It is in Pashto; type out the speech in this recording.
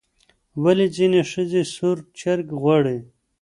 ولې ځینې ښځې سور چرګ غواړي؟